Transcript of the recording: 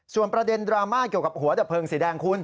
ส่วนประเด็นดราม่าเกี่ยวกับหัวดับเพลิงสีแดงคุณ